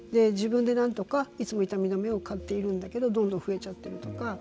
自分でなんとかいつも痛み止めを買っているんだけどどんどん増えちゃってるとか。